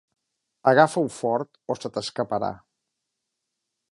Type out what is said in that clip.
Agafa-ho fort o se t'escaparà.